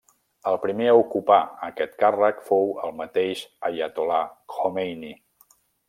El primer a ocupar aquest càrrec fou el mateix Aiatol·là Khomeini.